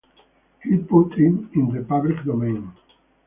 He put it in the public domain.